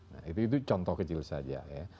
nah itu contoh kecil saja ya